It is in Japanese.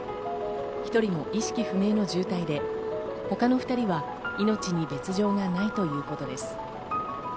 １人も意識不明の重体で他の２人は命に別条はないということです。